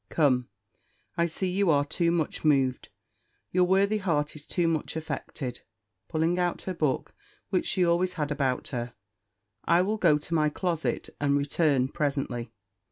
Come, I see you are too much moved; your worthy heart is too much affected" (pulling out her book, which she always had about her); "I will go to my closet, and return presently."